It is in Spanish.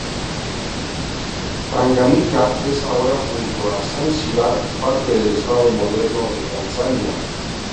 Tanganica es ahora, junto a Zanzíbar, parte del estado moderno de Tanzania.